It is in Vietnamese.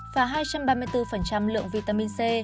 và hai trăm ba mươi bốn lượng vitamin c